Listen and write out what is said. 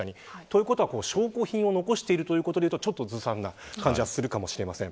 証拠品を残していること考えるとずさんな感じがするかもしれません。